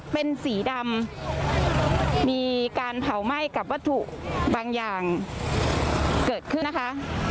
เป็นสีดำมีการเผาไหม้กับวัตถุบางอย่างเกิดขึ้นนะคะ